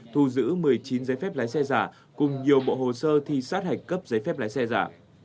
thu giữ một mươi chín giấy phép lái xe giả cùng nhiều bộ hồ sơ thi sát hạch cấp giấy phép lái xe giả